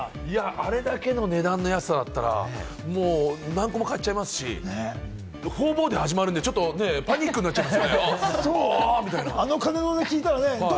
あれだけの値段で安かったら何個も買っちゃいますし、方々で始まるんで、ちょっとパニックになっちゃうんで。